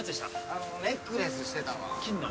あのネックレスしてたの金の？